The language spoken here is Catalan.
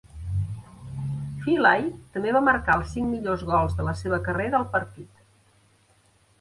Feely també va marcar els cinc millors gols de la seva carrera al partit.